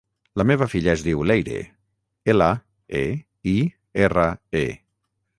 La meva filla es diu Leire: ela, e, i, erra, e.